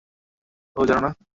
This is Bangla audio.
ওহ, জানোও না?